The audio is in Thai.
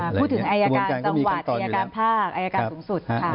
พูดถึงอายการจังหวัดอายการภาคอายการสูงสุดค่ะ